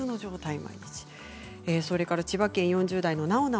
それから千葉県４０代の方。